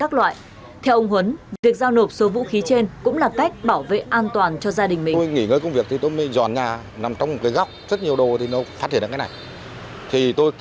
theo ông huấn việc giao nộp số vũ khí trên cũng là cách bảo vệ an toàn cho gia đình mình